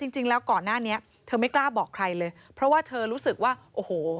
จริงแล้วก่อนหน้านี้เธอไม่กล้าบอกใครเลยเพราะว่าเธอรู้สึกว่าโอ้โห